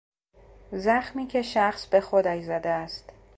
زخمی که شخص به خودش زده است